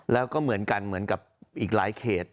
แล้วก็เหมือนกันเหมือนกับอีกหลายเขต